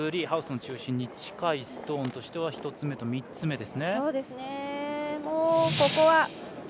ハウスの中心に近いストーンとしては１つ目と３つ目ですね。